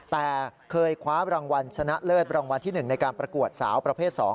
แต่เคยคว้ารางวัลชนะเลิศรางวัลที่๑ในการประกวดสาวประเภท๒